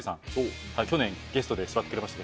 去年ゲストで座ってくれました